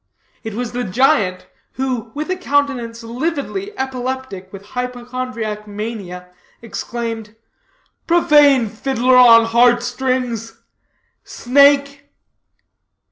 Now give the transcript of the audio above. It was the giant, who, with a countenance lividly epileptic with hypochondriac mania, exclaimed "Profane fiddler on heart strings! Snake!"